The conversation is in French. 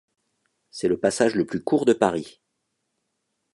C'est le passage le plus court de Paris.